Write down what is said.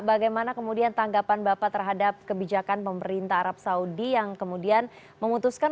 bagaimana kemudian tanggapan bapak terhadap kebijakan pemerintah arab saudi yang kemudian memutuskan